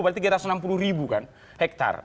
berarti tiga ratus enam puluh ribu kan hektare